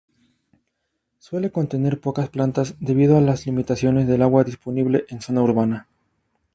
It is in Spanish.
Suele contener pocas plantas debido a las limitaciones del agua disponible en zona urbana.